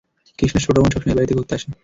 কৃষ্ণার ছোট বোন সবসময় এই বাড়িতে ঘুরতে আসে।